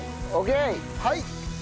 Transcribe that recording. はい！